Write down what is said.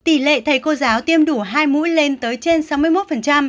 tỷ lệ thầy cô giáo tiêm đủ hai mũi lên tới trên sáu mươi một